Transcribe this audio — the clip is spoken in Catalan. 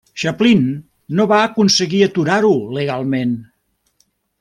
Chaplin no va aconseguir aturar-ho legalment.